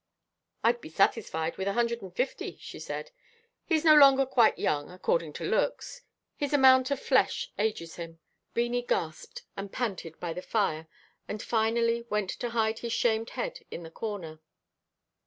"I'd be satisfied with a hundred and fifty," she said, "he's no longer quite young, according to looks. His amount of flesh ages him." Beanie gasped and panted by the fire, and finally went to hide his shamed head in the corner.